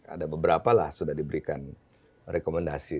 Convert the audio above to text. ada beberapa lah sudah diberikan rekomendasi